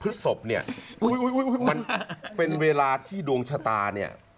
ศพเนี่ยมันเป็นเวลาที่ดวงชะตาเนี่ย